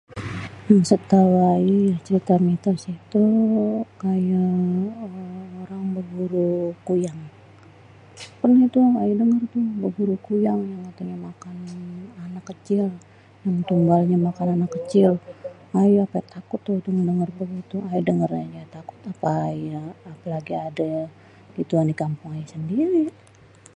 Cerita mitos itu kaya orang berburu kuyang. Pernah tu ayé denger tuh berburu kuyang yang katanya makan anak kecil, yang tumbalnya makan anak kecil. Ayé agak takut tuh denger begituan. Ayé dengernya aja takut apalagi ade gituan di kampung ayé sendiri.